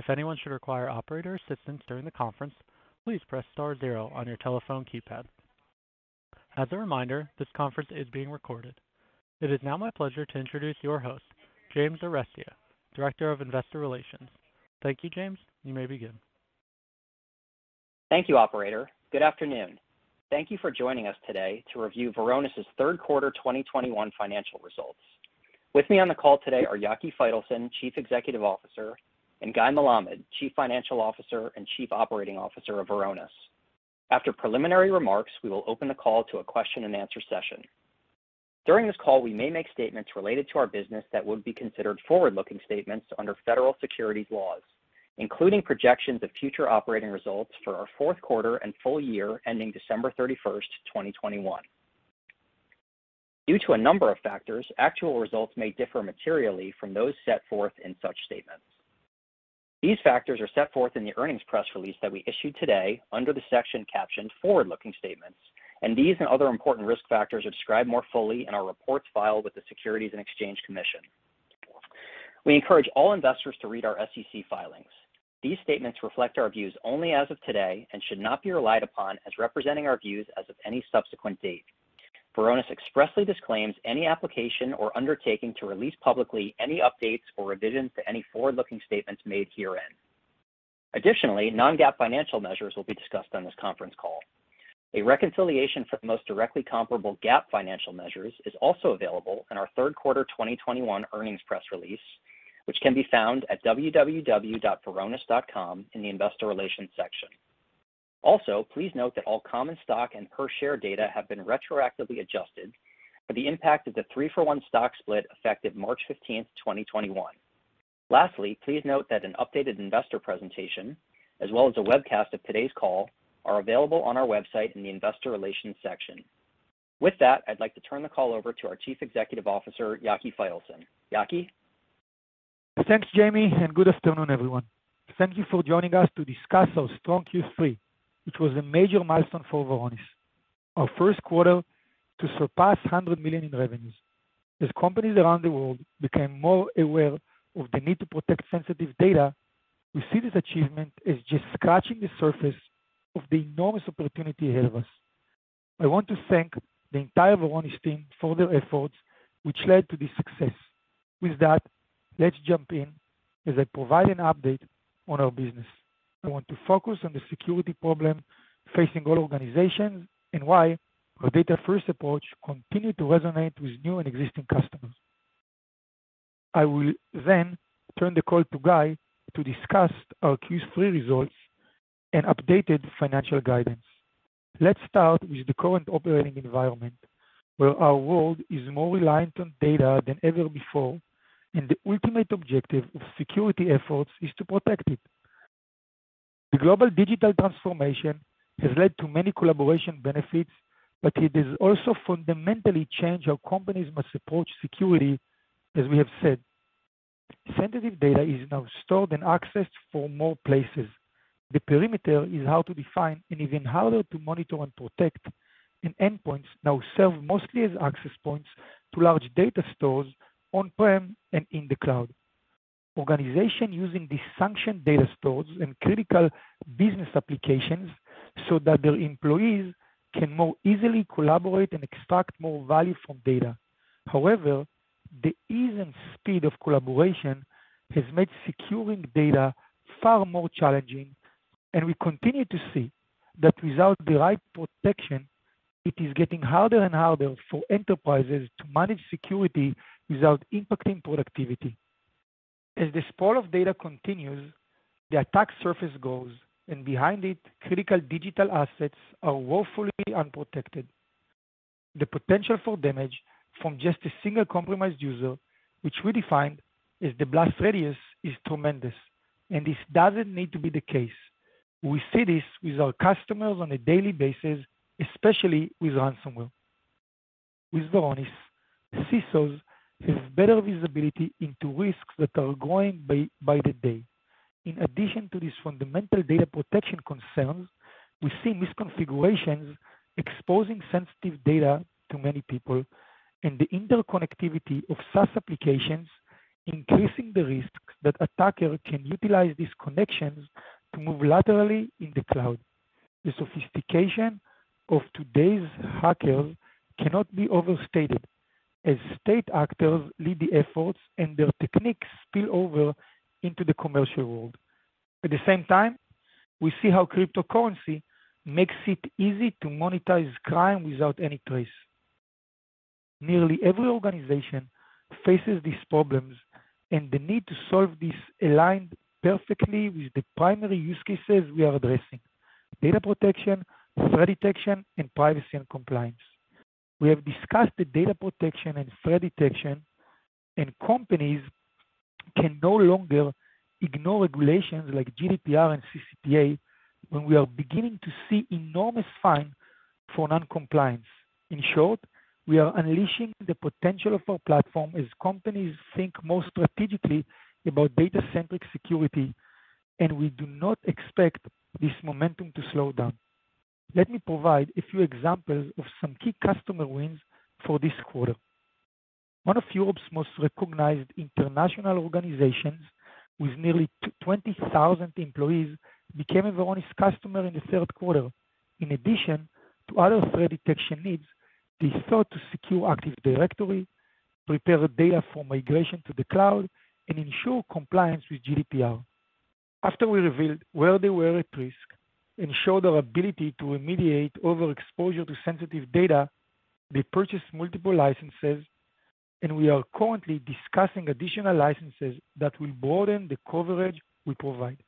If anyone should require operator assistance during the conference, please press star zero on your telephone keypad. As a reminder, this conference is being recorded. It is now my pleasure to introduce your host, James Arestia, Director of Investor Relations. Thank you, James. You may begin. Thank you, operator. Good afternoon. Thank you for joining us today to review Varonis' third quarter 2021 financial results. With me on the call today are Yaki Faitelson, Chief Executive Officer, and Guy Melamed, Chief Financial Officer and Chief Operating Officer of Varonis. After preliminary remarks, we will open the call to a question-and-answer session. During this call, we may make statements related to our business that would be considered forward-looking statements under federal securities laws, including projections of future operating results for our fourth quarter and full year ending December 31, 2021. Due to a number of factors, actual results may differ materially from those set forth in such statements. These factors are set forth in the earnings press release that we issued today under the section captioned "Forward-Looking Statements," and these and other important risk factors are described more fully in our reports filed with the Securities and Exchange Commission. We encourage all investors to read our SEC filings. These statements reflect our views only as of today and should not be relied upon as representing our views as of any subsequent date. Varonis expressly disclaims any application or undertaking to release publicly any updates or revisions to any forward-looking statements made herein. Additionally, non-GAAP financial measures will be discussed on this conference call. A reconciliation for the most directly comparable GAAP financial measures is also available in our third quarter 2021 earnings press release, which can be found at www.varonis.com in the Investor Relations section. Please note that all common stock and per share data have been retroactively adjusted for the impact of the 3-for-1 stock split effective March 15, 2021. Lastly, please note that an updated investor presentation, as well as a webcast of today's call, are available on our website in the Investor Relations section. With that, I'd like to turn the call over to our Chief Executive Officer, Yaki Faitelson. Yaki. Thanks, Jamie, and good afternoon, everyone. Thank you for joining us to discuss our strong Q3, which was a major milestone for Varonis, our first quarter to surpass $100 million in revenues. As companies around the world became more aware of the need to protect sensitive data, we see this achievement as just scratching the surface of the enormous opportunity ahead of us. I want to thank the entire Varonis team for their efforts, which led to this success. With that, let's jump in as I provide an update on our business. I want to focus on the security problem facing all organizations and why our data-first approach continued to resonate with new and existing customers. I will then turn the call to Guy to discuss our Q3 results and updated financial guidance. Let's start with the current operating environment, where our world is more reliant on data than ever before, and the ultimate objective of security efforts is to protect it. The global digital transformation has led to many collaboration benefits, but it has also fundamentally changed how companies must approach security, as we have said. Sensitive data is now stored and accessed from more places. The perimeter is hard to define and even harder to monitor and protect, and endpoints now serve mostly as access points to large data stores on-prem and in the cloud. Organizations are using these sanctioned data stores and critical business applications so that their employees can more easily collaborate and extract more value from data. However, the ease and speed of collaboration has made securing data far more challenging, and we continue to see that without the right protection, it is getting harder and harder for enterprises to manage security without impacting productivity. As the sprawl of data continues, the attack surface grows, and behind it, critical digital assets are woefully unprotected. The potential for damage from just a single compromised user, which we define as the blast radius, is tremendous, and this doesn't need to be the case. We see this with our customers on a daily basis, especially with ransomware. With Varonis, CISOs have better visibility into risks that are growing by the day. In addition to these fundamental data protection concerns, we see misconfigurations exposing sensitive data to many people and the interconnectivity of SaaS applications increasing the risks that attackers can utilize these connections to move laterally in the cloud. The sophistication of today's hackers cannot be overstated as state actors lead the efforts and their techniques spill over into the commercial world. At the same time, we see how cryptocurrency makes it easy to monetize crime without any trace. Nearly every organization faces these problems, and the need to solve this aligned perfectly with the primary use cases we are addressing, data protection, threat detection, and privacy and compliance. We have discussed the data protection and threat detection, and companies can no longer ignore regulations like GDPR and CCPA when we are beginning to see enormous fines for non-compliance. In short, we are unleashing the potential of our platform as companies think more strategically about data-centric security, and we do not expect this momentum to slow down. Let me provide a few examples of some key customer wins for this quarter. One of Europe's most recognized international organizations with nearly 20,000 employees became a Varonis customer in the third quarter. In addition to other threat detection needs, they sought to secure Active Directory, prepare data for migration to the cloud, and ensure compliance with GDPR. After we revealed where they were at risk and showed our ability to remediate overexposure to sensitive data, they purchased multiple licenses, and we are currently discussing additional licenses that will broaden the coverage we provide.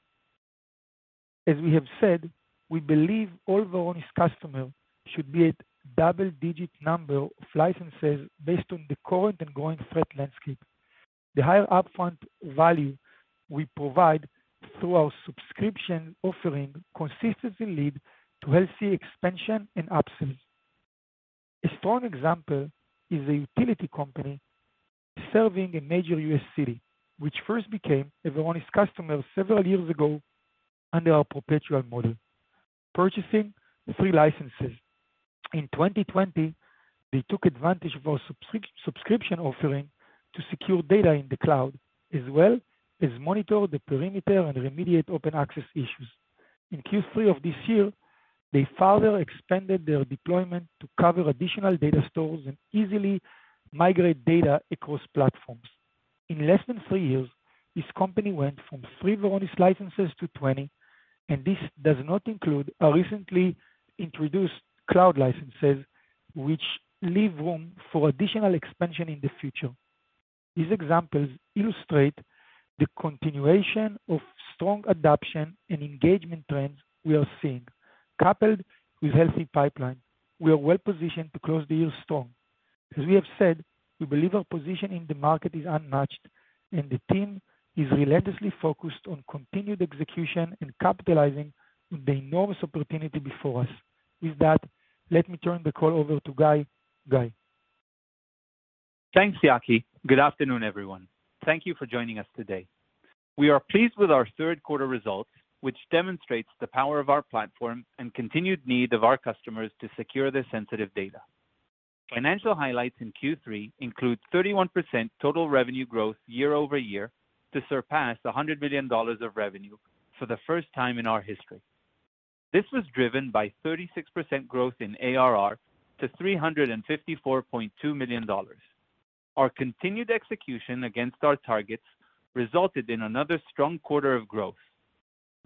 As we have said, we believe all Varonis customers should be at double-digit number of licenses based on the current and growing threat landscape. The higher upfront value we provide through our subscription offering consistently lead to healthy expansion and upsells. A strong example is a utility company serving a major U.S. city, which first became a Varonis customer several years ago under our perpetual model, purchasing three licenses. In 2020, they took advantage of our subscription offering to secure data in the cloud, as well as monitor the perimeter and remediate open access issues. In Q3 of this year, they further expanded their deployment to cover additional data stores and easily migrate data across platforms. In less than three years, this company went from three Varonis licenses to 20, and this does not include our recently introduced cloud licenses, which leave room for additional expansion in the future. These examples illustrate the continuation of strong adoption and engagement trends we are seeing. Coupled with healthy pipeline, we are well-positioned to close the year strong. As we have said, we believe our position in the market is unmatched, and the team is relentlessly focused on continued execution and capitalizing on the enormous opportunity before us. With that, let me turn the call over to Guy. Guy. Thanks, Yaki. Good afternoon, everyone. Thank you for joining us today. We are pleased with our third quarter results, which demonstrates the power of our platform and continued need of our customers to secure their sensitive data. Financial highlights in Q3 include 31% total revenue growth year-over-year to surpass $100 million of revenue for the first time in our history. This was driven by 36% growth in ARR to $354.2 million. Our continued execution against our targets resulted in another strong quarter of growth.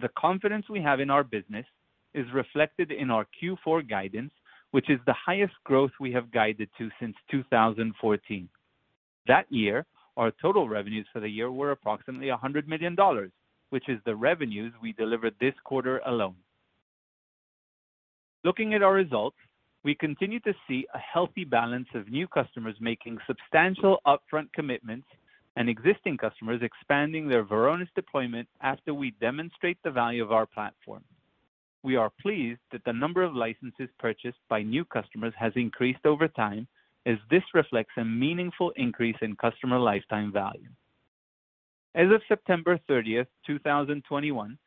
The confidence we have in our business is reflected in our Q4 guidance, which is the highest growth we have guided to since 2014. That year, our total revenues for the year were approximately $100 million, which is the revenues we delivered this quarter alone. Looking at our results, we continue to see a healthy balance of new customers making substantial upfront commitments and existing customers expanding their Varonis deployment after we demonstrate the value of our platform. We are pleased that the number of licenses purchased by new customers has increased over time, as this reflects a meaningful increase in customer lifetime value. As of September 30, 2021,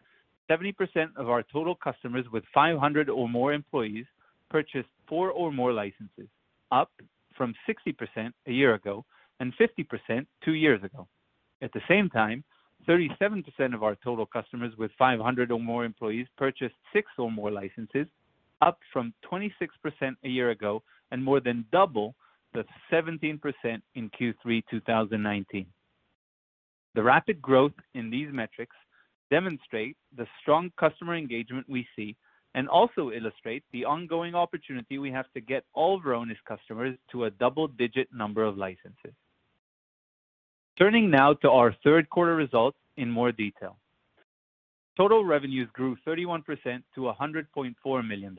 70% of our total customers with 500 or more employees purchased 4 or more licenses, up from 60% a year ago and 50% two years ago. At the same time, 37% of our total customers with 500 or more employees purchased 6 or more licenses, up from 26% a year ago and more than double the 17% in Q3 2019. The rapid growth in these metrics demonstrate the strong customer engagement we see and also illustrate the ongoing opportunity we have to get all Varonis customers to a double-digit number of licenses. Turning now to our third quarter results in more detail. Total revenues grew 31% to $100.4 million.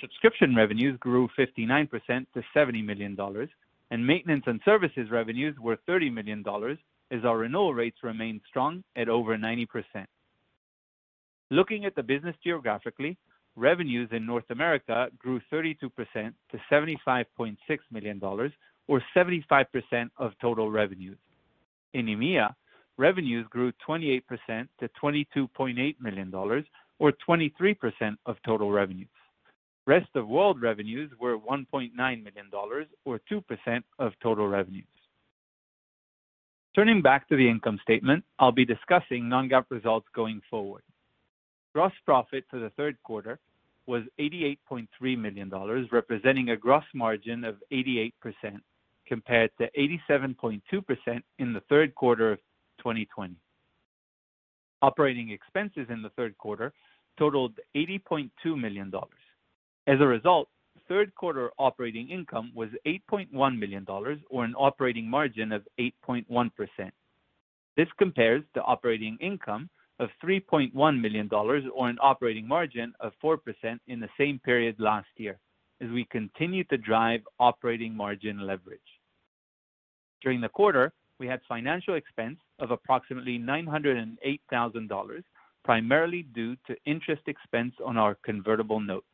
Subscription revenues grew 59% to $70 million, and maintenance and services revenues were $30 million as our renewal rates remained strong at over 90%. Looking at the business geographically, revenues in North America grew 32% to $75.6 million or 75% of total revenues. In EMEA, revenues grew 28% to $22.8 million or 23% of total revenues. Rest of world revenues were $1.9 million or 2% of total revenues. Turning back to the income statement, I'll be discussing non-GAAP results going forward. Gross profit for the third quarter was $88.3 million, representing a gross margin of 88% compared to 87.2% in the third quarter of 2020. Operating expenses in the third quarter totaled $80.2 million. As a result, third quarter operating income was $8.1 million or an operating margin of 8.1%. This compares to operating income of $3.1 million or an operating margin of 4% in the same period last year as we continue to drive operating margin leverage. During the quarter, we had financial expense of approximately $908 thousand, primarily due to interest expense on our convertible notes.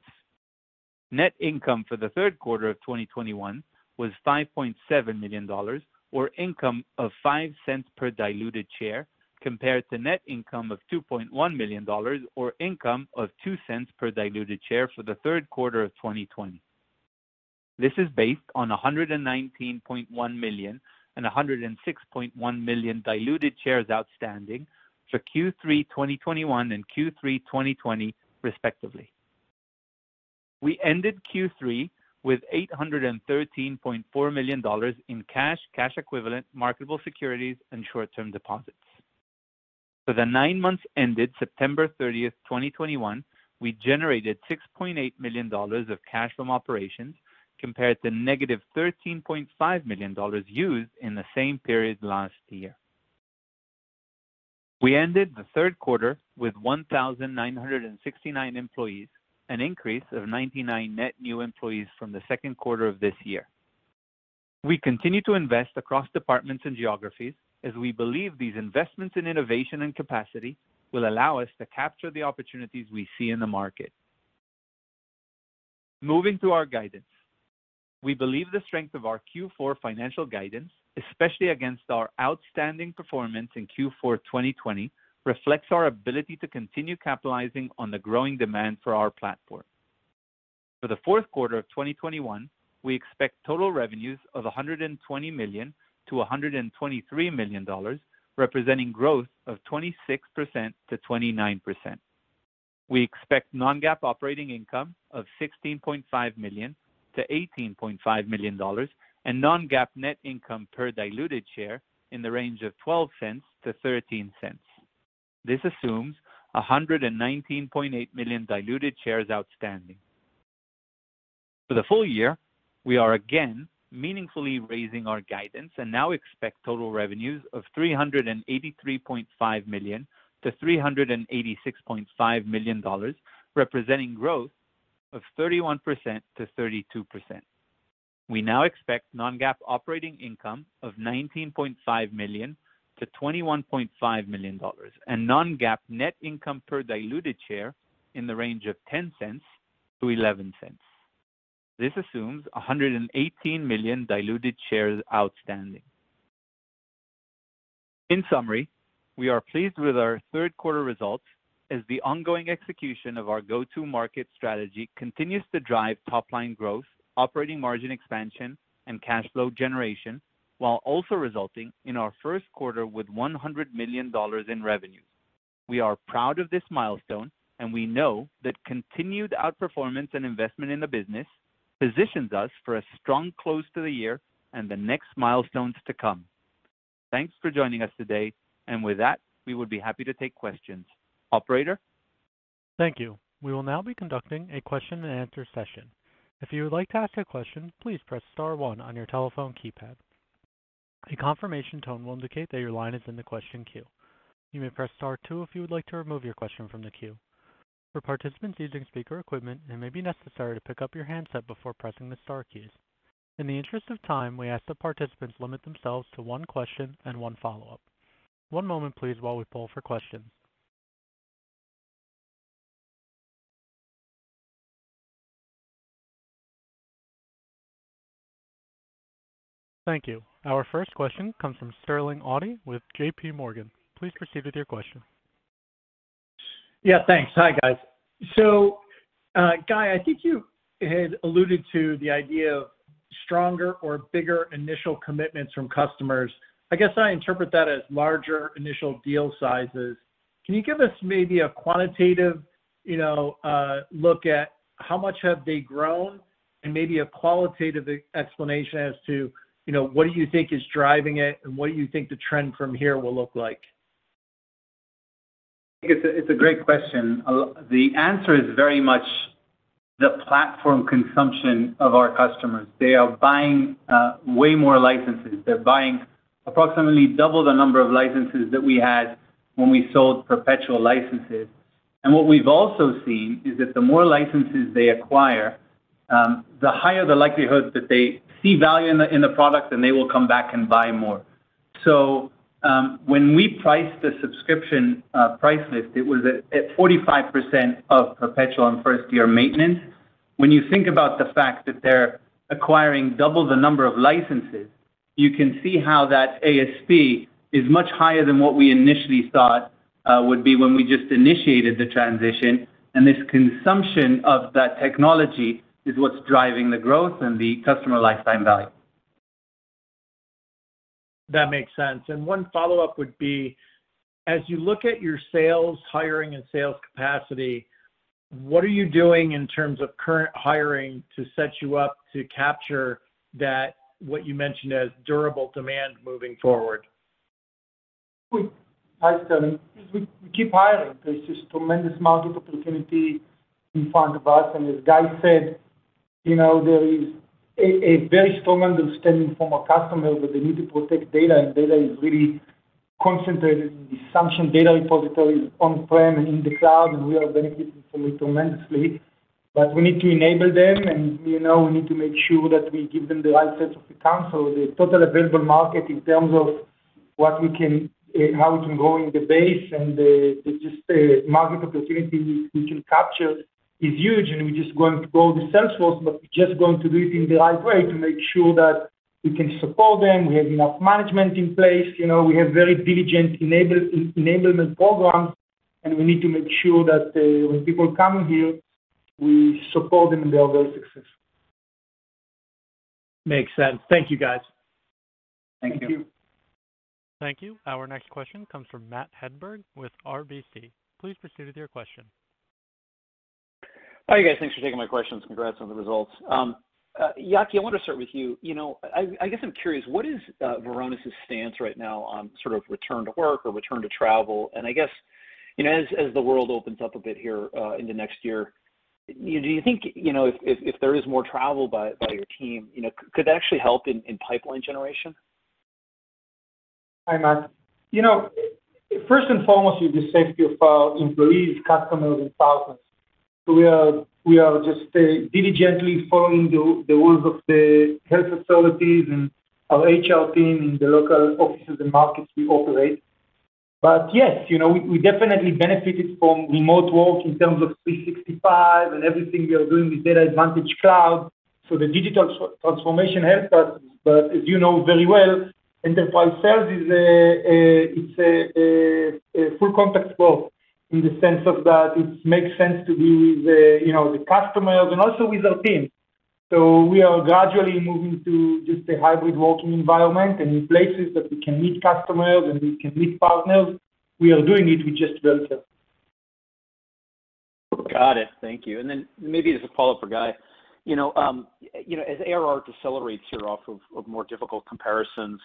Net income for the third quarter of 2021 was $5.7 million or income of $0.05 per diluted share, compared to net income of $2.1 million or income of $0.02 per diluted share for the third quarter of 2020. This is based on 119.1 million and 106.1 million diluted shares outstanding for Q3 2021 and Q3 2020 respectively. We ended Q3 with $813.4 million in cash equivalent marketable securities, and short-term deposits. For the nine months ended September 30, 2021, we generated $6.8 million of cash from operations compared to negative $13.5 million used in the same period last year. We ended the third quarter with 1,969 employees, an increase of 99 net new employees from the second quarter of this year. We continue to invest across departments and geographies as we believe these investments in innovation and capacity will allow us to capture the opportunities we see in the market. Moving to our guidance. We believe the strength of our Q4 financial guidance, especially against our outstanding performance in Q4 2020, reflects our ability to continue capitalizing on the growing demand for our platform. For the fourth quarter of 2021, we expect total revenues of $120 million-$123 million, representing growth of 26%-29%. We expect non-GAAP operating income of $16.5 million-$18.5 million and non-GAAP net income per diluted share in the range of $0.12-$0.13. This assumes 119.8 million diluted shares outstanding. For the full year, we are again meaningfully raising our guidance and now expect total revenues of $383.5 million-$386.5 million, representing growth of 31%-32%. We now expect non-GAAP operating income of $19.5 million-$21.5 million and non-GAAP net income per diluted share in the range of $0.10-$0.11. This assumes 118 million diluted shares outstanding. In summary, we are pleased with our third quarter results as the ongoing execution of our go-to market strategy continues to drive top-line growth, operating margin expansion, and cash flow generation, while also resulting in our first quarter with $100 million in revenue. We are proud of this milestone, and we know that continued outperformance and investment in the business positions us for a strong close to the year and the next milestones to come. Thanks for joining us today. With that, we would be happy to take questions. Operator? Thank you. We will now be conducting a question and answer session. If you would like to ask a question, please press star one on your telephone keypad. A confirmation tone will indicate that your line is in the question queue. You may press star two if you would like to remove your question from the queue. For participants using speaker equipment, it may be necessary to pick up your handset before pressing the star keys. In the interest of time, we ask that participants limit themselves to one question and one follow-up. One moment, please, while we poll for questions. Thank you. Our first question comes from Sterling Auty with JPMorgan. Please proceed with your question. Yeah, thanks. Hi, guys. Guy, I think you had alluded to the idea of stronger or bigger initial commitments from customers. I guess I interpret that as larger initial deal sizes. Can you give us maybe a quantitative, you know, look at how much have they grown and maybe a qualitative explanation as to, you know, what do you think is driving it and what you think the trend from here will look like? It's a great question. The answer is very much the platform consumption of our customers. They are buying way more licenses. They're buying approximately double the number of licenses that we had when we sold perpetual licenses. What we've also seen is that the more licenses they acquire, the higher the likelihood that they see value in the product, and they will come back and buy more. When we priced the subscription price list, it was at 45% of perpetual and first-year maintenance. When you think about the fact that they're acquiring double the number of licenses, you can see how that ASP is much higher than what we initially thought would be when we just initiated the transition. This consumption of that technology is what's driving the growth and the customer lifetime value. That makes sense. One follow-up would be: as you look at your sales, hiring, and sales capacity, what are you doing in terms of current hiring to set you up to capture that, what you mentioned as durable demand moving forward? Hi, Sterling. We keep hiring. There's just tremendous market opportunity in front of us. As Guy said, you know, there is a very strong understanding from our customers that they need to protect data, and data is really concentrated in consumption data repositories on-prem and in the cloud. We are benefiting from it tremendously. We need to enable them, and you know, we need to make sure that we give them the right sets of accounts. The total available market in terms of how we can grow in the base, just the market opportunity we can capture is huge, and we're just going to grow the sales force, but we're just going to do it in the right way to make sure that we can support them. We have enough management in place. You know, we have very diligent enablement programs. We need to make sure that, when people come here, we support them and they are very successful. Makes sense. Thank you, guys. Thank you. Thank you. Our next question comes from Matthew Hedberg with RBC. Please proceed with your question. Hi guys. Thanks for taking my questions. Congrats on the results. Yaki, I want to start with you. You know, I guess I'm curious, what is Varonis' stance right now on sort of return to work or return to travel? I guess, you know, as the world opens up a bit here in the next year, do you think, you know, if there is more travel by your team, you know, could that actually help in pipeline generation? Hi, Matt. You know, first and foremost is the safety of our employees, customers, and partners. We are just diligently following the rules of the health authorities and our HR team in the local offices and markets we operate. Yes, you know, we definitely benefited from remote work in terms of 365 and everything we are doing with DatAdvantage Cloud. The digital transformation helped us. As you know very well, enterprise sales is a full contact role in the sense of that it makes sense to be with the customers and also with our team. We are gradually moving to just a hybrid working environment. In places that we can meet customers and we can meet partners, we are doing it. We just built it. Got it. Thank you. Maybe as a follow-up for Guy. You know, as ARR decelerates here off of more difficult comparisons,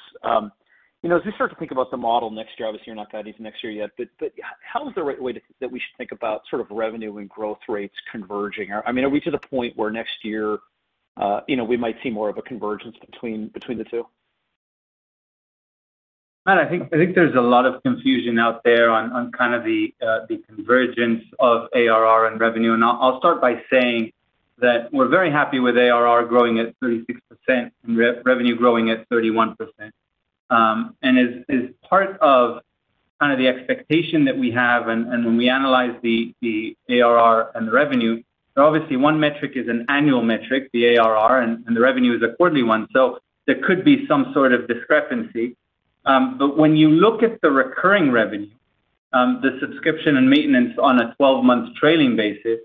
you know, as we start to think about the model next year, obviously you're not guiding to next year yet, but how is the right way to that we should think about sort of revenue and growth rates converging? I mean, are we to the point where next year, we might see more of a convergence between the two? Matt, I think there's a lot of confusion out there on kind of the convergence of ARR and revenue. I'll start by saying that we're very happy with ARR growing at 36% and revenue growing at 31%. As part of kind of the expectation that we have and when we analyze the ARR and the revenue, obviously one metric is an annual metric, the ARR, and the revenue is a quarterly one, so there could be some sort of discrepancy. But when you look at the recurring revenue, the subscription and maintenance on a 12-month trailing basis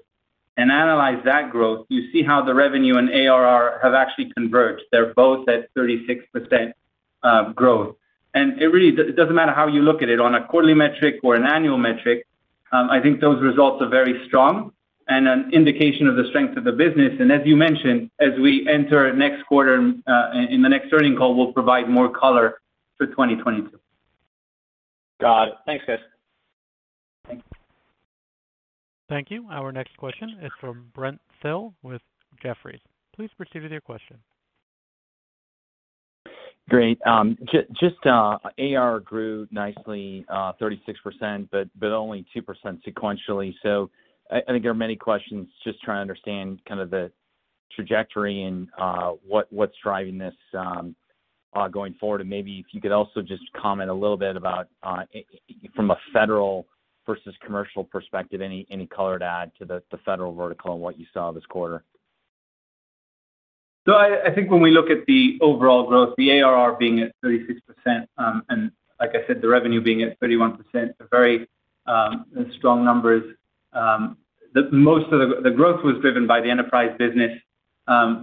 and analyze that growth, you see how the revenue and ARR have actually converged. They're both at 36% growth. It really... It doesn't matter how you look at it, on a quarterly metric or an annual metric, I think those results are very strong and an indication of the strength of the business. As you mentioned, as we enter next quarter, in the next earnings call, we'll provide more color for 2022. Got it. Thanks, guys. Thank you. Thank you. Our next question is from Brent Thill with Jefferies. Please proceed with your question. Great. Just AR grew nicely 36%, but only 2% sequentially. I think there are many questions just trying to understand kind of the trajectory and what's driving this going forward. Maybe if you could also just comment a little bit about from a federal versus commercial perspective, any color to add to the federal vertical and what you saw this quarter. I think when we look at the overall growth, the ARR being at 36%, and like I said, the revenue being at 31% are very strong numbers. Most of the growth was driven by the enterprise business.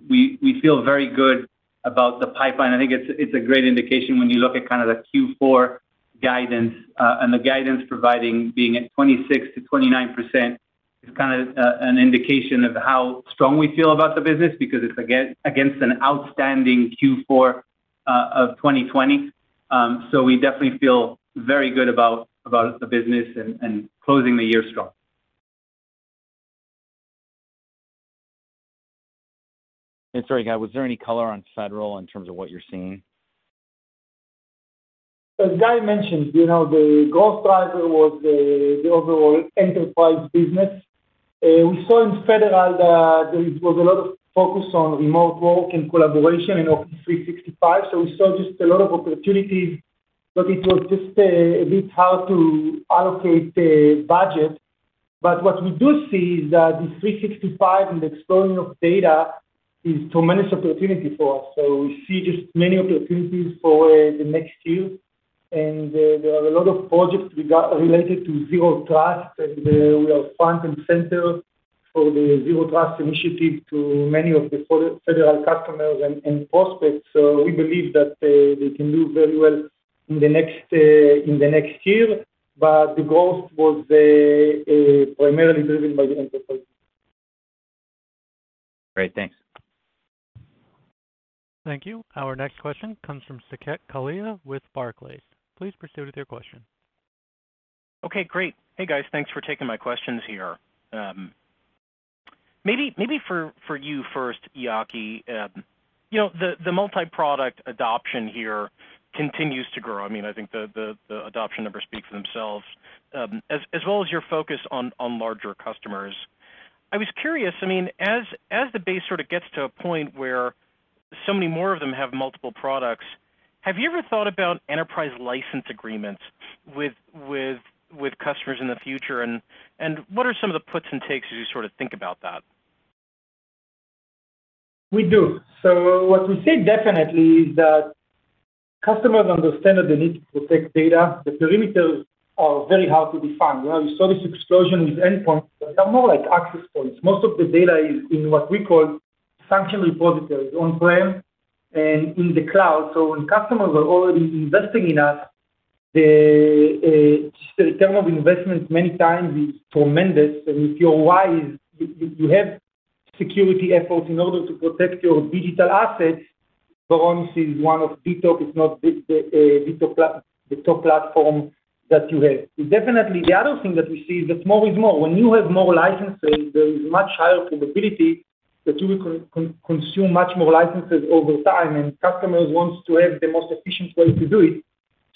We feel very good about the pipeline. I think it's a great indication when you look at kind of the Q4 guidance, and the guidance being at 26%-29% is kind of an indication of how strong we feel about the business because it's against an outstanding Q4 of 2020. We definitely feel very good about the business and closing the year strong. Sorry, Guy, was there any color on federal in terms of what you're seeing? As Guy mentioned, you know, the growth driver was the overall enterprise business. We saw in federal that there was a lot of focus on remote work and collaboration in Office 365, so we saw just a lot of opportunities, but it was just a bit hard to allocate the budget. What we do see is that the 365 and the storing of data is tremendous opportunity for us. We see just many opportunities for the next year. There are a lot of projects related to zero trust, and we are front and center for the zero trust initiative to many of the federal customers and prospects. We believe that they can do very well in the next year. The growth was primarily driven by the enterprise. Great. Thanks. Thank you. Our next question comes from Saket Kalia with Barclays. Please proceed with your question. Okay, great. Hey, guys. Thanks for taking my questions here. Maybe for you first, Yaki. You know, the multi-product adoption here continues to grow. I mean, I think the adoption numbers speak for themselves as well as your focus on larger customers. I was curious. I mean, as the base sort of gets to a point where so many more of them have multiple products, have you ever thought about enterprise license agreements with customers in the future? What are some of the puts and takes as you sort of think about that? We do. What we see definitely is that customers understand that they need to protect data. The perimeters are very hard to define. You know, we saw this explosion with endpoints that are more like access points. Most of the data is in what we call functional repositories on-prem and in the cloud. When customers are already investing in us, just the return on investment many times is tremendous. If you're wise, you have security efforts in order to protect your digital assets, but obviously one of Varonis is not the top platform that you have. Definitely, the other thing that we see is that more is more. When you have more licenses, there is much higher probability that you will consume much more licenses over time, and customers wants to have the most efficient way to do it.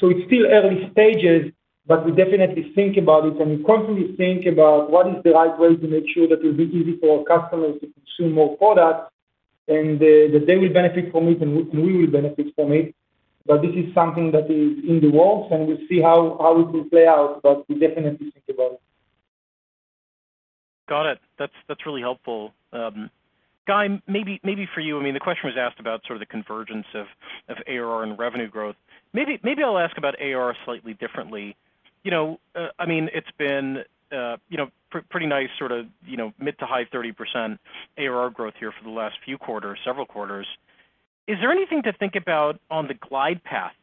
It's still early stages, but we definitely think about it, and we constantly think about what is the right way to make sure that it will be easy for our customers to consume more products and, that they will benefit from it and we will benefit from it. But this is something that is in the works, and we'll see how it will play out, but we definitely think about it. Got it. That's really helpful. Guy, maybe for you, I mean, the question was asked about sort of the convergence of ARR and revenue growth. Maybe I'll ask about ARR slightly differently. You know, I mean, it's been, you know, pretty nice sort of, you know, mid- to high 30% ARR growth here for the last few quarters, several quarters. Is there anything to think about on the glide path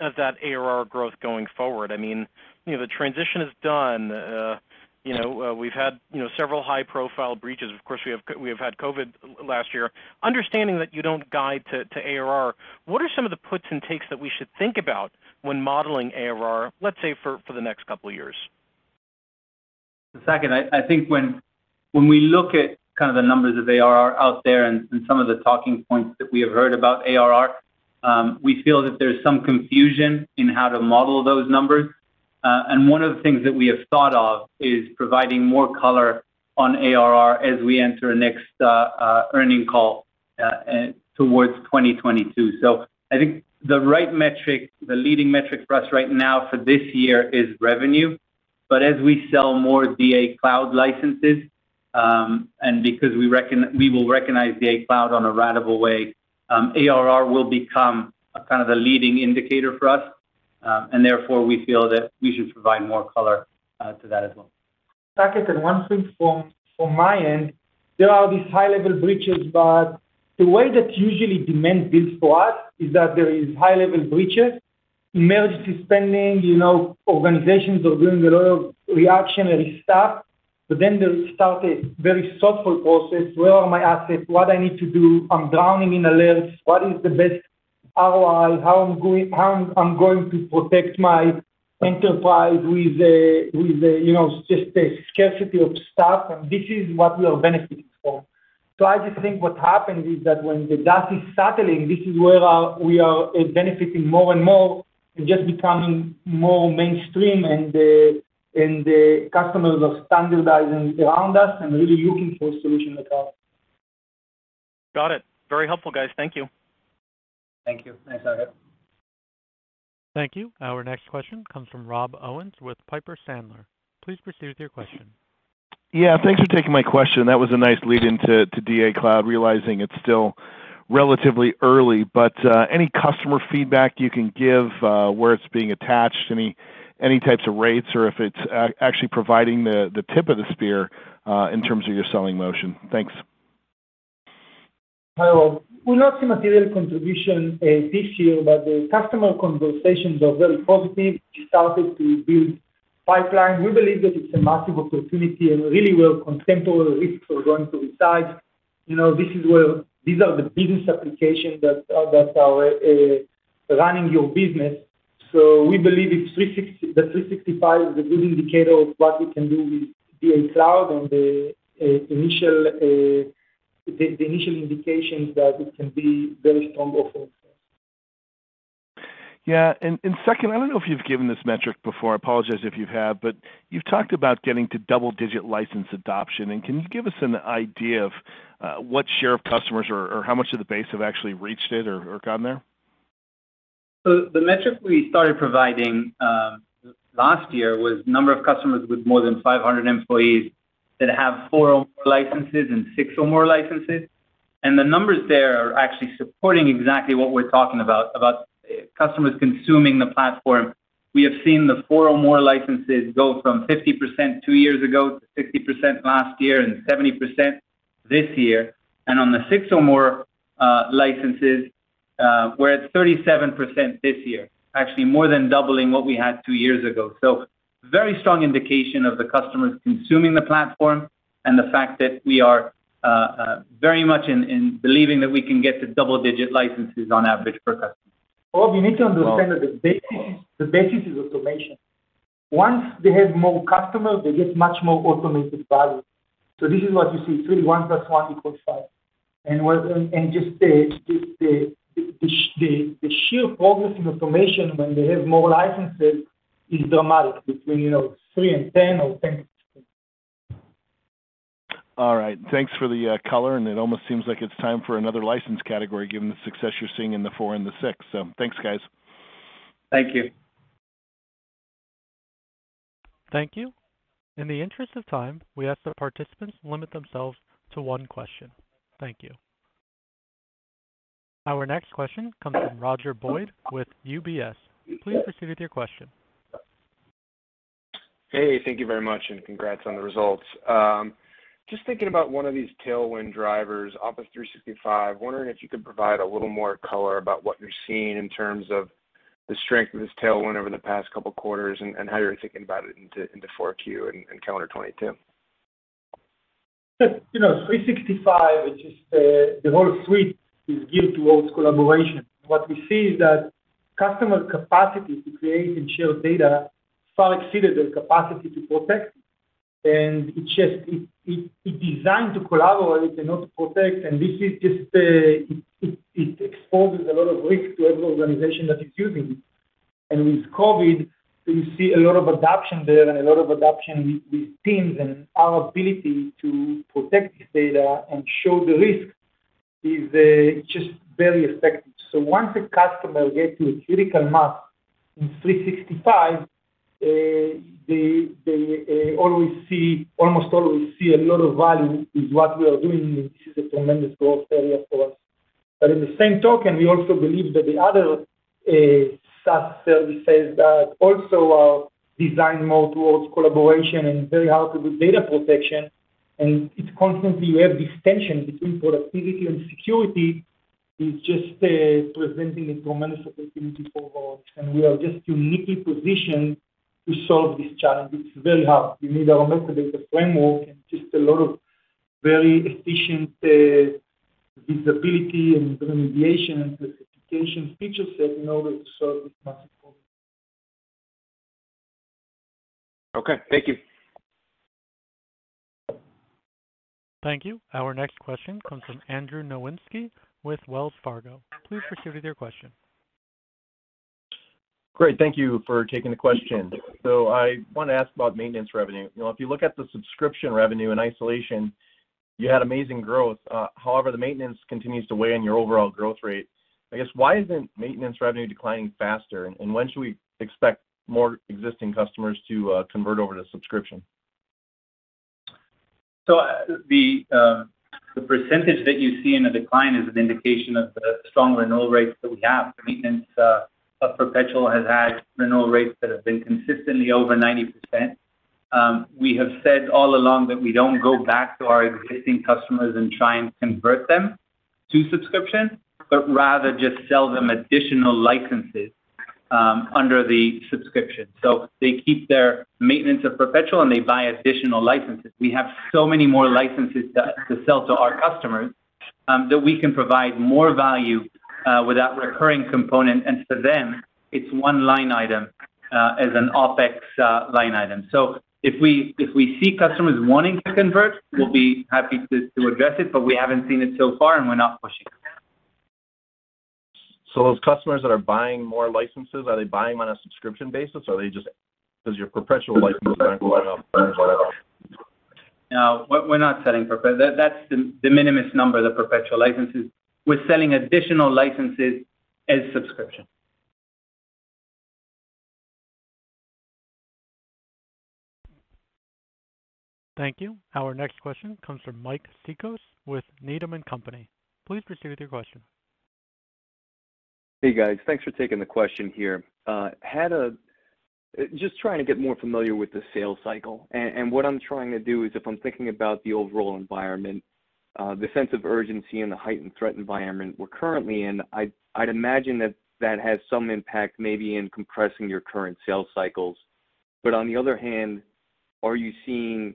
of that ARR growth going forward? I mean, you know, the transition is done. You know, we've had, you know, several high-profile breaches. Of course, we have had COVID last year. Understanding that you don't guide to ARR, what are some of the puts and takes that we should think about when modeling ARR, let's say, for the next couple of years? Saket, I think when we look at kind of the numbers of ARR out there and some of the talking points that we have heard about ARR, we feel that there's some confusion in how to model those numbers. One of the things that we have thought of is providing more color on ARR as we enter next earnings call towards 2022. I think the right metric, the leading metric for us right now for this year is revenue. As we sell more DA Cloud licenses and because we will recognize DA Cloud on a ratable way, ARR will become a kind of the leading indicator for us and therefore we feel that we should provide more color to that as well. Saket, one thing from my end, there are these high-level breaches, but the way that usually demand builds for us is that there is high-level breaches, emergency spending, you know, organizations are doing a lot of reactionary stuff. But then they'll start a very thoughtful process. Where are my assets, what I need to do? I'm drowning in alerts. What is the best ROI, how I'm going to protect my enterprise with a, you know, just a scarcity of staff. This is what we are benefiting from. I just think what happens is that when the dust is settling, this is where we are benefiting more and more. It's just becoming more mainstream, and the customers are standardizing around us and really looking for a solution like ours. Got it. Very helpful, guys. Thank you. Thank you. Thanks, Saket Kalia. Thank you. Our next question comes from Rob Owens with Piper Sandler. Please proceed with your question. Yeah, thanks for taking my question. That was a nice lead into DA Cloud, realizing it's still relatively early. But, any customer feedback you can give, where it's being attached, any types of rates or if it's actually providing the tip of the spear, in terms of your selling motion? Thanks. Hi, Rob. We'll not see material contribution this year, but the customer conversations are very positive. We started to build pipeline. We believe that it's a massive opportunity, and really we'll contemplate the risks we're going to decide. You know, this is where these are the business applications that are running your business. So we believe 365 is a good indicator of what we can do with DatAdvantage Cloud and the initial indications that it can be very strong offering. Yeah. Second, I don't know if you've given this metric before. I apologize if you have, but you've talked about getting to double-digit license adoption. Can you give us an idea of what share of customers or how much of the base have actually reached it or gone there? The metric we started providing last year was number of customers with more than 500 employees that have 4 or more licenses and 6 or more licenses. The numbers there are actually supporting exactly what we're talking about customers consuming the platform. We have seen the 4 or more licenses go from 50% two years ago to 60% last year and 70% this year. On the 6 or more licenses, we're at 37% this year, actually more than doubling what we had two years ago. Very strong indication of the customers consuming the platform and the fact that we are very much in believing that we can get to double-digit licenses on average per customer. Rob, you need to understand that the basis is automation. Once they have more customers, they get much more automated value. This is what you see, it's really 1 + 1 = 5. Just the sheer progress in automation when they have more licenses is dramatic between, you know, 3 and 10 or 10 and 20. All right. Thanks for the color, and it almost seems like it's time for another license category, given the success you're seeing in the four and the six. Thanks, guys. Thank you. Thank you. In the interest of time, we ask that participants limit themselves to one question. Thank you. Our next question comes from Roger Boyd with UBS. Please proceed with your question. Hey, thank you very much, and congrats on the results. Just thinking about one of these tailwind drivers, Office 365. Wondering if you could provide a little more color about what you're seeing in terms of the strength of this tailwind over the past couple quarters and how you're thinking about it into Q4 and calendar 2022. You know, Microsoft 365, which is, the whole suite is geared toward collaboration. What we see is that customer capacity to create and share data far exceeded their capacity to protect. It just it designed to collaborate and not to protect. This is just it exposes a lot of risk to every organization that is using it. With COVID, we see a lot of adoption there and a lot of adoption with Teams and our ability to protect this data and show the risk is just very effective. Once a customer gets to a critical mass in Microsoft 365, they almost always see a lot of value with what we are doing, and this is a tremendous growth area for us. In the same token, we also believe that the other, SaaS services that also are designed more towards collaboration and very hard to do data protection, and it constantly weigh this tension between productivity and security is just, presenting a tremendous opportunity for us, and we are just uniquely positioned to solve this challenge. It's very hard. We need our Metadata Framework and just a lot of very efficient, visibility and remediation and certification feature set in order to solve this massive problem. Okay. Thank you. Thank you. Our next question comes from Andrew Nowinski with Wells Fargo. Please proceed with your question. Great. Thank you for taking the question. So I want to ask about maintenance revenue. You know, if you look at the subscription revenue in isolation, you had amazing growth. However, the maintenance continues to weigh on your overall growth rate. I guess, why isn't maintenance revenue declining faster? And when should we expect more existing customers to convert over to subscription? The percentage that you see in the decline is an indication of the strong renewal rates that we have. The maintenance of perpetual has had renewal rates that have been consistently over 90%. We have said all along that we don't go back to our existing customers and try and convert them to subscription, but rather just sell them additional licenses under the subscription. They keep their maintenance of perpetual, and they buy additional licenses. We have so many more licenses to sell to our customers that we can provide more value without recurring component. For them, it's one line item as an OpEx line item. If we see customers wanting to convert, we'll be happy to address it, but we haven't seen it so far, and we're not pushing. those customers that are buying more licenses, are they buying them on a subscription basis, or are they just because your perpetual license? No, we're not selling. That's the de minimis number, the perpetual licenses. We're selling additional licenses as subscription. Thank you. Our next question comes from Mike Cikos with Needham & Company. Please proceed with your question. Hey, guys. Thanks for taking the question here. Just trying to get more familiar with the sales cycle. What I'm trying to do is if I'm thinking about the overall environment, the sense of urgency in the heightened threat environment we're currently in, I'd imagine that has some impact maybe in compressing your current sales cycles. On the other hand, are you seeing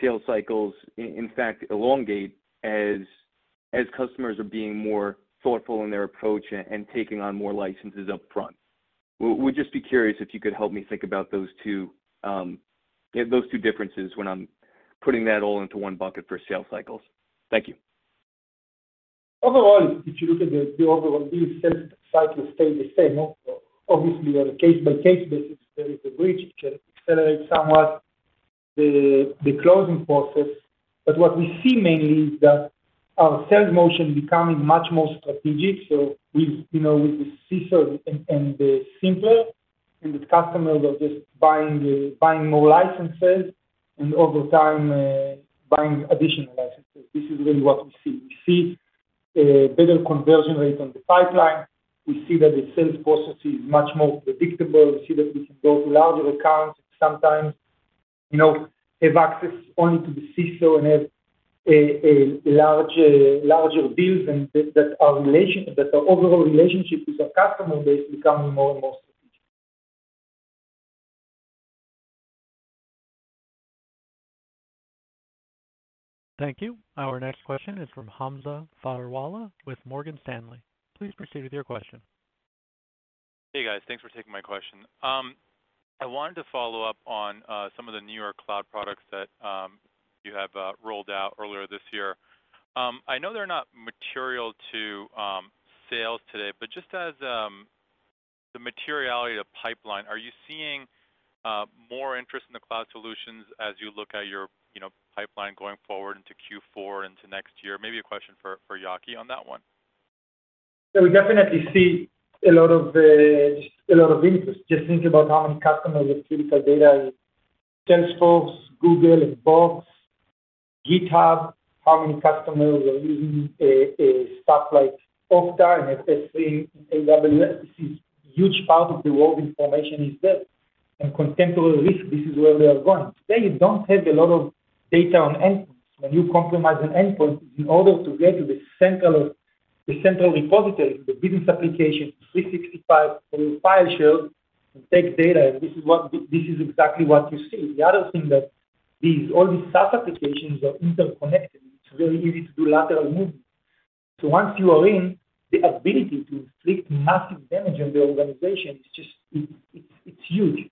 sales cycles in fact elongate as customers are being more thoughtful in their approach and taking on more licenses up front? We'd just be curious if you could help me think about those two differences when I'm putting that all into one bucket for sales cycles. Thank you. Overall, if you look at the overall view, sales cycles stay the same. Obviously, on a case-by-case basis, there is a breach, it can accelerate somewhat the closing process. What we see mainly is that our sales motion becoming much more strategic. With you know, with the CISO and the CIO, and the customers are just buying more licenses and over time, buying additional licenses. This is really what we see. We see a better conversion rate on the pipeline. We see that the sales process is much more predictable. We see that we can go to larger accounts and sometimes, you know, have access only to the CISO and have larger deals and that our overall relationship with our customer base becoming more and more strategic. Thank you. Our next question is from Hamza Fodderwala with Morgan Stanley. Please proceed with your question. Hey, guys. Thanks for taking my question. I wanted to follow up on some of the new cloud products that you have rolled out earlier this year. I know they're not material to sales today, but just as the materiality of pipeline, are you seeing more interest in the cloud solutions as you look at your, you know, pipeline going forward into Q4 into next year? Maybe a question for Yaki on that one. We definitely see a lot of interest. Just think about how many customers with critical data in Salesforce, Google, and Box, GitHub, how many customers are using stuff like Okta and SAP and AWS. This is a huge part of the world where the world's information is there. Cyber risk, this is where they are going. Today, you don't have a lot of data on endpoints. When you compromise an endpoint in order to get to the central repository, the business application, 365 file share, and take data, this is exactly what you see. The other thing that all these SaaS applications are interconnected, it's very easy to do lateral movement. Once you are in, the ability to inflict massive damage on the organization is just huge.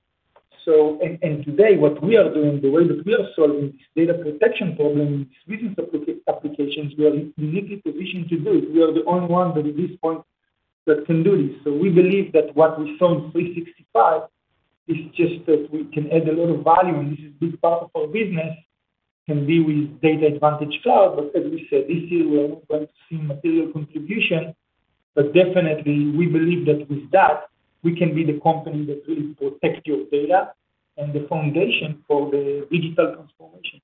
Today what we are doing, the way that we are solving this data protection problem with business applications, we are uniquely positioned to do it. We are the only one that at this point that can do this. We believe that what we saw in Microsoft 365 is just that we can add a lot of value, and this is big part of our business can be with DatAdvantage Cloud. As we said, this year we're going to see material contribution. Definitely we believe that with that we can be the company that really protects your data and the foundation for the digital transformation.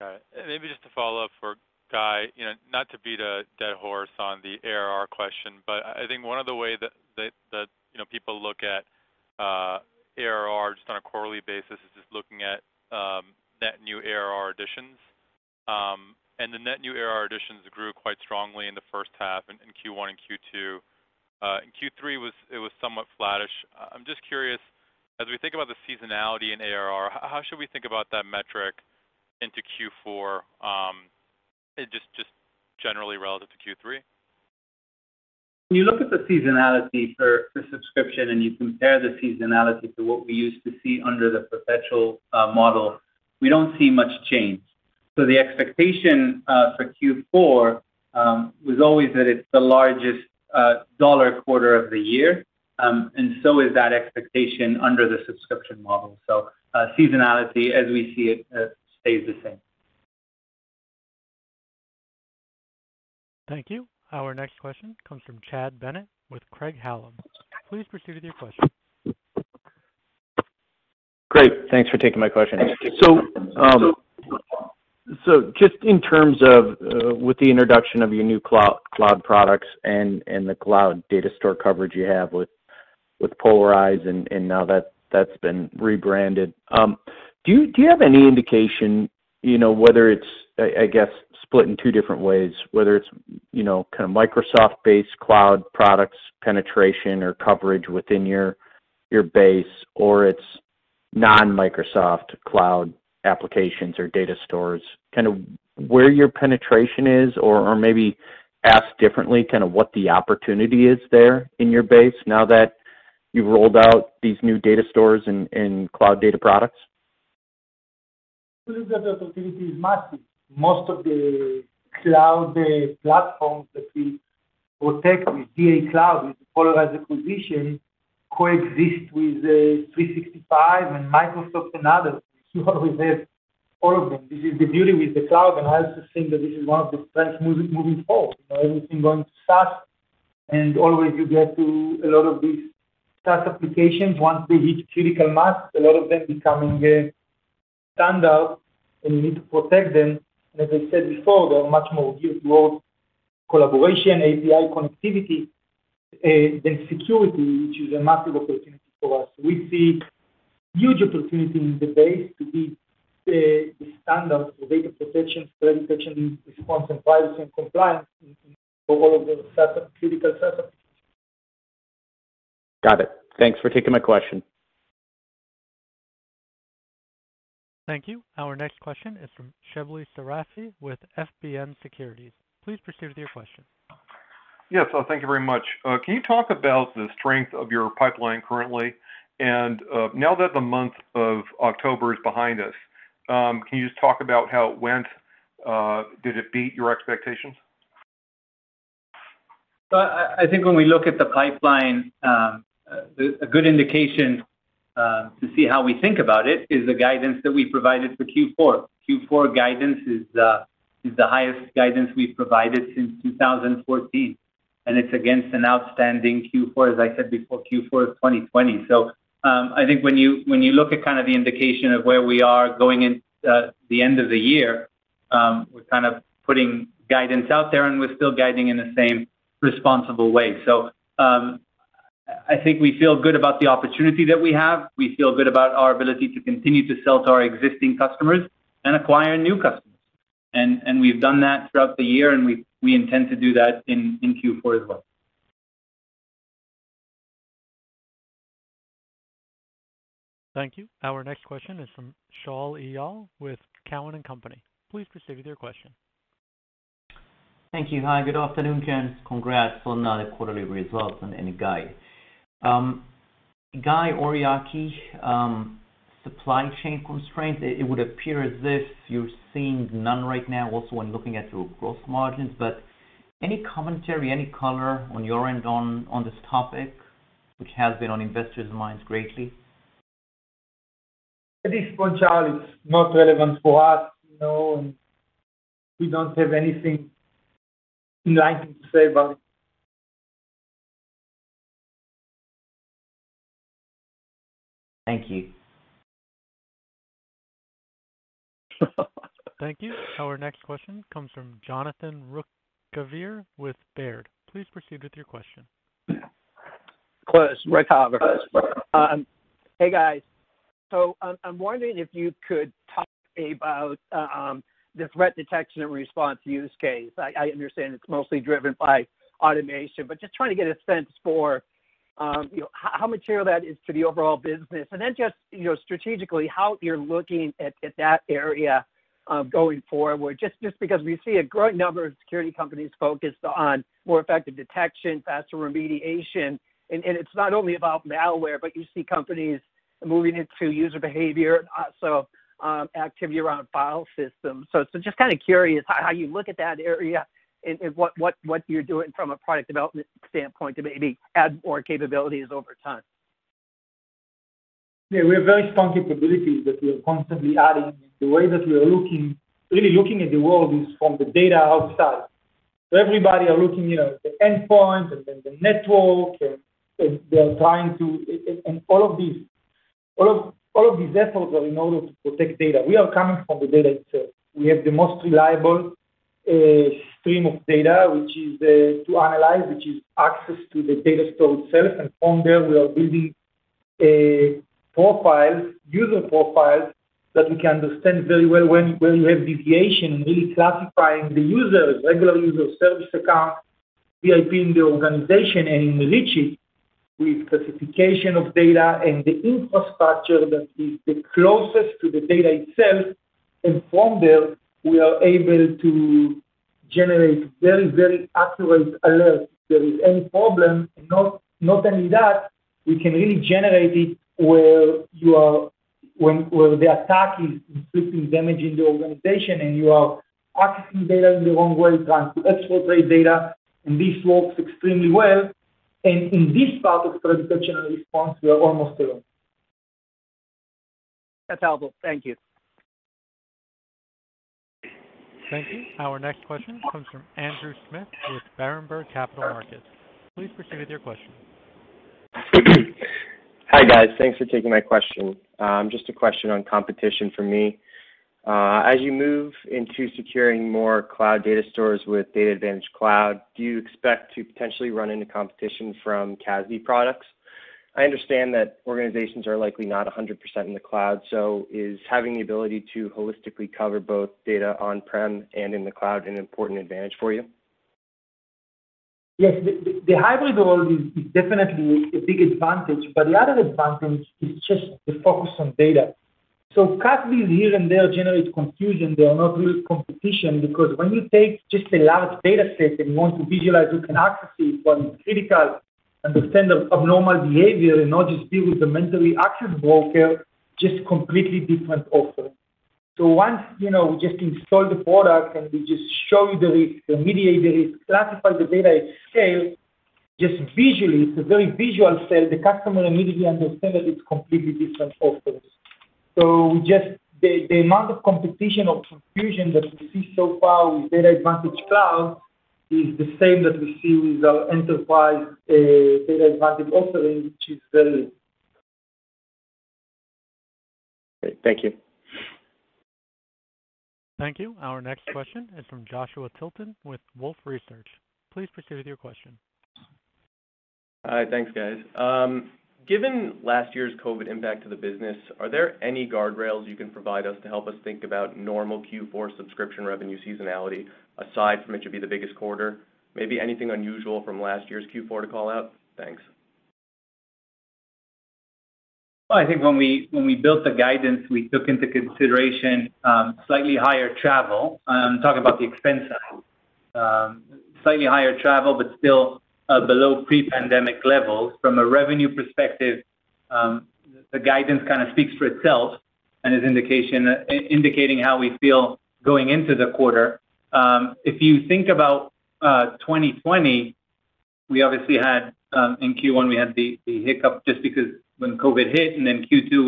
Got it. Maybe just to follow up for Guy, you know, not to beat a dead horse on the ARR question, but I think one of the way that you know people look at ARR just on a quarterly basis is just looking at net new ARR additions. The net new ARR additions grew quite strongly in the first half in Q1 and Q2. In Q3 it was somewhat flattish. I'm just curious, as we think about the seasonality in ARR, how should we think about that metric into Q4, just generally relative to Q3? When you look at the seasonality for the subscription and you compare the seasonality to what we used to see under the perpetual model, we don't see much change. The expectation for Q4 was always that it's the largest dollar quarter of the year, and so is that expectation under the subscription model. Seasonality as we see it stays the same. Thank you. Our next question comes from Chad Bennett with Craig-Hallum. Please proceed with your question. Great. Thanks for taking my question. So just in terms of with the introduction of your new cloud products and the cloud data store coverage you have with Polyrize and now that's been rebranded, do you have any indication, you know, whether it's I guess split in two different ways, whether it's you know kind of Microsoft-based cloud products penetration or coverage within your base or it's non-Microsoft cloud applications or data stores, kind of where your penetration is or maybe asked differently kind of what the opportunity is there in your base now that you've rolled out these new data stores and cloud data products? We believe that the opportunity is massive. Most of the cloud platforms that we protect with DatAdvantage Cloud, with the Polyrize acquisition coexist with 365 and Microsoft and others. We have all of them. This is the beauty with the cloud, and I also think that this is one of the trends moving forward. You know, everything going to SaaS, and always you get to a lot of these SaaS applications. Once they reach critical mass, a lot of them becoming a standard and you need to protect them. As I said before, there are much more user collaboration, API connectivity than security, which is a massive opportunity for us. We see huge opportunity in this space to be the standard for data protection, threat detection, response and privacy and compliance in all of the SaaS critical SaaS apps. Got it. Thanks for taking my question. Thank you. Our next question is from Shebly Seyrafi with FBN Securities. Please proceed with your question. Yes. Thank you very much. Can you talk about the strength of your pipeline currently? Now that the month of October is behind us, can you just talk about how it went? Did it beat your expectations? I think when we look at the pipeline, a good indication to see how we think about it is the guidance that we provided for Q4. Q4 guidance is the highest guidance we've provided since 2014, and it's against an outstanding Q4, as I said before, Q4 of 2020. I think when you look at kind of the indication of where we are going in the end of the year, we're kind of putting guidance out there and we're still guiding in the same responsible way. I think we feel good about the opportunity that we have. We feel good about our ability to continue to sell to our existing customers and acquire new customers. We've done that throughout the year, and we intend to do that in Q4 as well. Thank you. Our next question is from Shaul Eyal with Cowen and Company. Please proceed with your question. Thank you. Hi, good afternoon, guys. Congrats on the quarterly results and any guide. Guy or Yaki, supply chain constraints, it would appear as if you're seeing none right now also when looking at your gross margins. Any commentary, any color on your end on this topic, which has been on investors' minds greatly? At this point, Shaul, it's not relevant for us. No, we don't have anything enlightening to say about it. Thank you. Thank you. Our next question comes from Jonathan Ruykhaver with Baird. Please proceed with your question. Hey, guys. I'm wondering if you could talk about the threat detection and response use case. I understand it's mostly driven by automation, but just trying to get a sense for, you know, how material that is to the overall business. Then just, you know, strategically how you're looking at that area going forward. Just because we see a growing number of security companies focused on more effective detection, faster remediation. It's not only about malware, but you see companies moving into user behavior, also activity around file systems. Just kind of curious how you look at that area and what you're doing from a product development standpoint to maybe add more capabilities over time. Yeah, we have very strong capabilities that we are constantly adding. The way that we are looking, really looking at the world is from the data outside. Everybody are looking, you know, at the endpoint and then the network, and they are trying to. And all of these efforts are in order to protect data. We are coming from the data itself. We have the most reliable stream of data, which is to analyze, which is access to the data store itself. From there, we are building a profile, user profile that we can understand very well when you have deviation and really classifying the users, regular user service account, VIP in the organization and enrich it with classification of data and the infrastructure that is the closest to the data itself. From there, we are able to generate very, very accurate alerts if there is any problem. Not only that, we can really generate it where the attack is inflicting damage in the organization, and you are accessing data in the wrong way, trying to exfiltrate data, and this works extremely well. In this part of threat detection and response, we are almost alone. That's helpful. Thank you. Thank you. Our next question comes from Andrew Smith with Berenberg Capital Markets. Please proceed with your question. Hi, guys. Thanks for taking my question. Just a question on competition for me. As you move into securing more cloud data stores with DatAdvantage Cloud, do you expect to potentially run into competition from CASB products? I understand that organizations are likely not 100% in the cloud, so is having the ability to holistically cover both data on-prem and in the cloud an important advantage for you? Yes. The hybrid world is definitely a big advantage, but the other advantage is just the focus on data. So CASB here and there generate confusion. They are not real competition because when you take just a large data set and you want to visualize, you can actually see what is critical, understand the abnormal behavior and not just deal with the CASB, just completely different offering. So once, you know, we just install the product and we just show you the risk, remediate the risk, classify the data at scale, just visually, it's a very visual sell. The customer immediately understand that it's completely different offers. The amount of competition or confusion that we see so far with DatAdvantage Cloud is the same that we see with our enterprise DatAdvantage offering, which is very- Great. Thank you. Thank you. Our next question is from Joshua Tilton with Wolfe Research. Please proceed with your question. All right. Thanks, guys. Given last year's COVID impact to the business, are there any guardrails you can provide us to help us think about normal Q4 subscription revenue seasonality, aside from it should be the biggest quarter? Maybe anything unusual from last year's Q4 to call out? Thanks. I think when we built the guidance, we took into consideration slightly higher travel. I'm talking about the expense side. Slightly higher travel, but still below pre-pandemic levels. From a revenue perspective, the guidance kind of speaks for itself and is indicating how we feel going into the quarter. If you think about 2020, we obviously had in Q1 the hiccup just because when COVID hit. Q2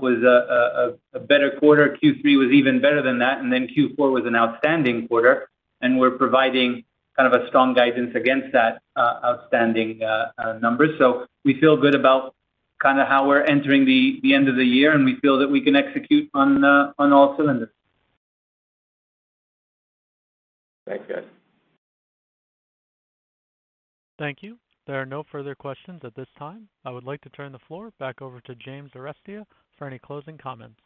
was a better quarter. Q3 was even better than that. Q4 was an outstanding quarter, and we're providing kind of a strong guidance against that outstanding numbers. We feel good about kind of how we're entering the end of the year, and we feel that we can execute on all cylinders. Thanks, guys. Thank you. There are no further questions at this time. I would like to turn the floor back over to James Arestia for any closing comments.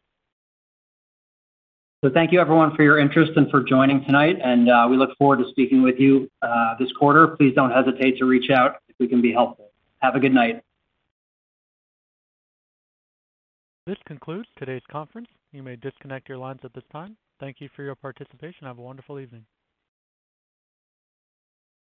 Thank you everyone for your interest and for joining tonight, and we look forward to speaking with you this quarter. Please don't hesitate to reach out if we can be helpful. Have a good night. This concludes today's conference. You may disconnect your lines at this time. Thank you for your participation. Have a wonderful evening.